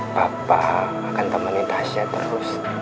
papa akan temani tasya terus